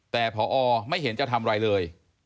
แต่พอไม่เห็นจะทำอะไรเลย